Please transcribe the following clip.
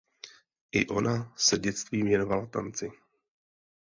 I ona se dětství věnovala tanci.